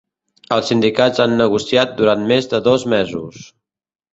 Els sindicats han negociat durant més de dos mesos.